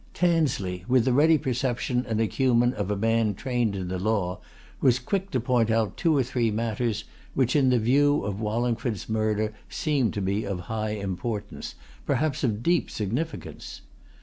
Tansley, with the ready perception and acumen of a man trained in the law, was quick to point out two or three matters which in view of Wallingford's murder seemed to be of high importance, perhaps of deep significance.